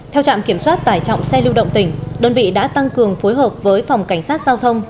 theo trạm kiểm soát tải trọng xe lưu động tỉnh đơn vị đã tăng cường phối hợp với phòng cảnh sát giao thông